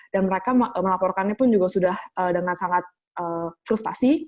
dan mereka melaporkannya pun juga sudah dengan sangat frustasi